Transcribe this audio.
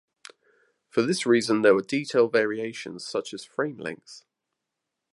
For this reason there were detail variations such as frame length.